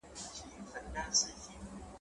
قافلې سمي ته سیخ کړي را پیدا کاروان سالار کې .